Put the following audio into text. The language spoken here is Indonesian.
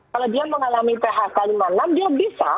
kalau dia mengalami phk lima puluh enam dia bisa